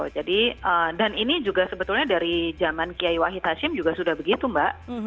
jadi dan ini juga sebetulnya dari zaman kiai wahid hashim juga sudah begitu mbak